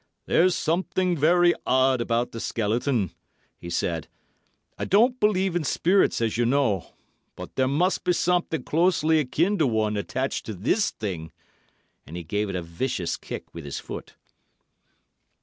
"There's something very odd about the skeleton," he said. "I don't believe in spirits, as you know, but there must be something closely akin to one attached to this thing," and he gave it a vicious kick with his foot.